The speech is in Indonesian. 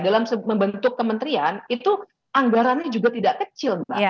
dalam membentuk kementerian itu anggarannya juga tidak kecil mbak